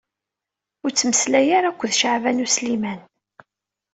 Ur ttmeslay ara akked Caɛban U Sliman.